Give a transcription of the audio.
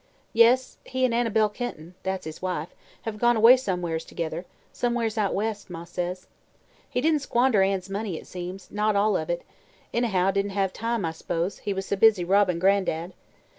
"Yes; he an' Annabel Kenton that's his wife have gone away somewheres together; somewheres out West, Ma says. He didn't squander Ann's money, it seems; not all of it, anyhow; didn't hev time, I s'pose, he was so busy robbin' Gran'dad.